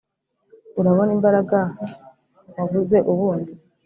urabona imbaraga wabuze ubundi?